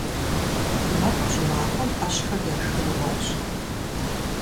Мэкъур щӀымахуэм Ӏэщхэм я шхыныгъуэфӀщ.